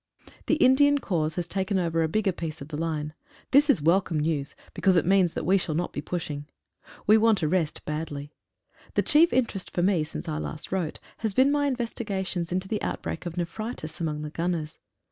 The Indian Corps has taken over a bigger piece of the line. This is welcome news, because it means that we shall not be pushing! We want a rest badly. The chief interest for me since I last wrote has been my investigations into the outbreak of nephritis among the gunners.